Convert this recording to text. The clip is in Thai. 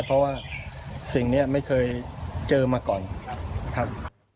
เพราะว่าสิ่งนี้ไม่เคยเจอมาก่อนครับ